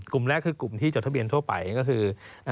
กลุ่มแรกคือกลุ่มที่จดทะเบียนทั่วไปก็คือ